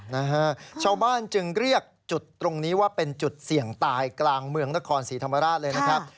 นะฮะชาวบ้านจึงเรียกจุดตรงนี้ว่าเป็นจุดเสี่ยงตายกลางเมืองนครศรีธรรมราชเลยนะครับ